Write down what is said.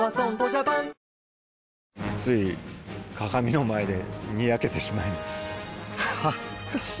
つい鏡の前でニヤけてしまいます恥ずかしい・・・